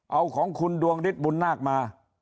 เอาของคุณดวงฤทธิบุญนาคมา